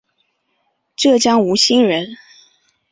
浙江吴兴人。